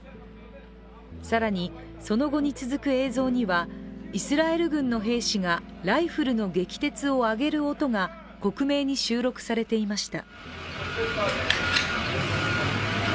更に、その後に続く映像にはイスラエル軍の兵士がライフルの撃鉄を上げる音が克明に収録されていました。